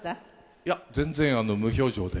いや全然無表情で。